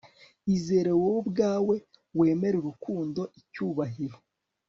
izere wowe ubwawe, wemere urukundo, icyubahiro